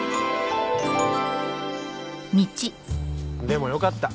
でもよかった。